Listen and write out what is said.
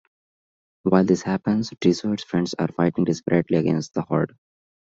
While this happens, Drizzt's friends are fighting desperately against the horde.